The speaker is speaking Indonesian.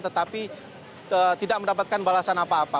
tetapi tidak mendapatkan balasan apa apa